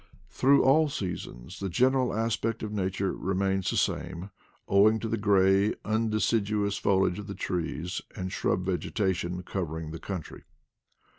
Through all seasons the general aspect of nature remains the same, owing to the gray undeciduous foliage of the tree and shrub vegeta tion covering the country.